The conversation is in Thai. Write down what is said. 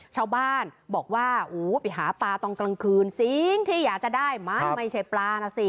ชาวบ้านบอกว่าไปหาปลาตอนกลางคืนสิ่งที่อยากจะได้มันไม่ใช่ปลานะสิ